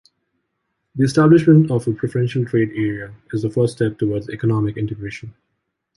The establishment of a preferential trade area is the first step towards economic integration.